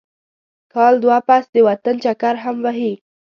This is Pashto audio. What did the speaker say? کال دوه پس د وطن چکر هم وهي.